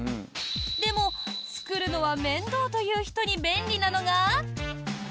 でも、作るのは面倒という人に便利なのが。